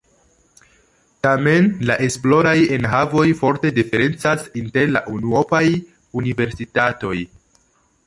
Tamen la esploraj enhavoj forte diferencas inter la unuopaj universitatoj.